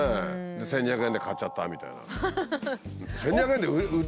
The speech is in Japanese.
「１，２００円で買っちゃった」みたいな。